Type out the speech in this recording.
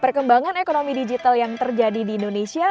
perkembangan ekonomi digital yang terjadi di indonesia